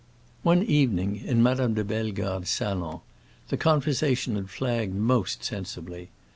One evening, in Madame de Bellegarde's salon, the conversation had flagged most sensibly.